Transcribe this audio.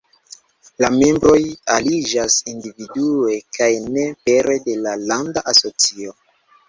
La membroj aliĝas individue, kaj ne pere de landa asocio.